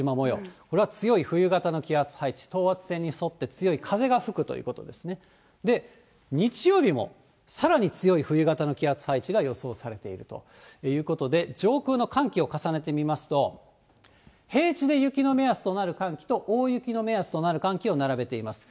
これは強い冬型の気圧配置、等圧線に沿って風が吹くということですね、日曜日もさらに強い冬型の気圧配置が予想されているということで、上空の寒気を重ねてみますと、平地で雪の目安となる寒気と大雪の目安となる寒気を並べています。